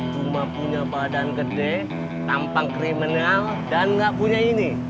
cuma punya badan gede tampang kriminal dan nggak punya ini